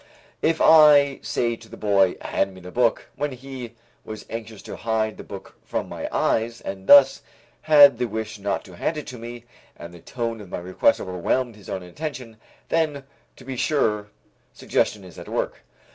If I say to the boy, "Hand me the book," when he was anxious to hide the book from my eyes and thus had the wish not to hand it to me and the tone of my request overwhelmed his own intention, then to be sure suggestion is at work.